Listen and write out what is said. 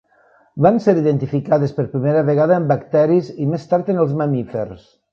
Van ser identificades per primera vegada en bacteris i més tard en els mamífers.